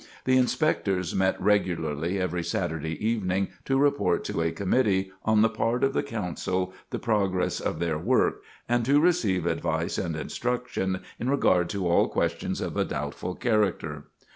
The Inspectors met regularly every Saturday evening to report to a committee on the part of the Council the progress of their work, and to receive advice and instruction in regard to all questions of a doubtful character.